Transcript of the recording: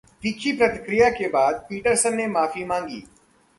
तीखी प्रतिक्रिया के बाद पीटरसन ने माफी मांगी